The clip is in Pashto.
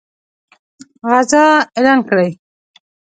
غزا اعلان کړي.